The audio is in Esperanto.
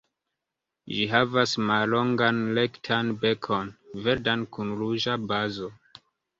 Ĝi havas mallongan rektan bekon, verdan kun ruĝa bazo.